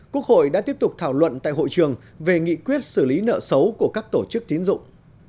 quốc hội đã tiếp tục thảo luận tại hội trường về nghị quyết xử lý nợ xấu của các tổ chức tín dụng